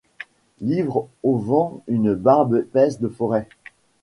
Livre au vent une barbe épaisse de forêts ;